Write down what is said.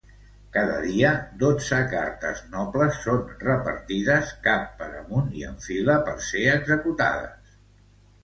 Cada dia, dotze cartes nobles són repartides cap per amunt i en fila per ser executades.